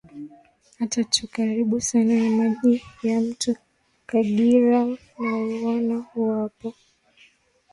a tu karibu sana na maji ya mto kagira nauona huo hapo